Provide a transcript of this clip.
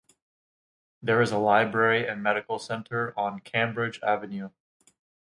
There is a library and medical centre on Cambridge Avenue.